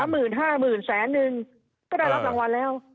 สามหมื่นห้าหมื่นแสนหนึ่งก็ได้รับรางวัลแล้ว